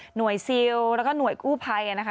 หน่วยซิลแล้วก็หน่วยกู้ภัยนะคะ